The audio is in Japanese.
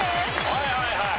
はいはいはい。